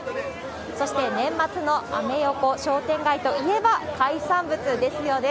そして、年末のアメ横商店街といえば、海産物ですよね。